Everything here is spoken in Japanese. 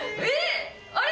あれ？